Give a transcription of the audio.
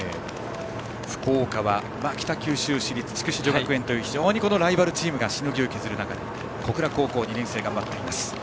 福岡は北九州市立筑紫女学園という非常にライバルチームがしのぎを削る中で小倉高校２年生、頑張っています。